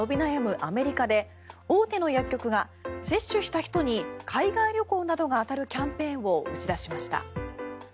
アメリカで大手の薬局が接種した人に海外旅行などが当たるキャンペーンを打ち出しました。